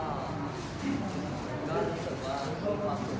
อันนี้ก็ก็รู้สึกว่า